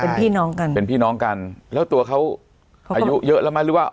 เป็นพี่น้องกันเป็นพี่น้องกันแล้วตัวเขาอายุเยอะแล้วไหมหรือว่า